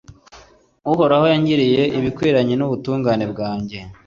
Uhoraho yangiriye ibikwiranye n’ubutungane bwanjye